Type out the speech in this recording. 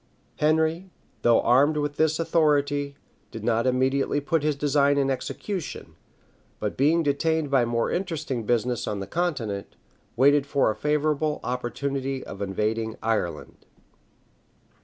[*] Henry, though armed with this authority, did not immediately put his design in execution; but being detained by more interesting business on the continent, waited for a favorable opportunity of invading Ireland.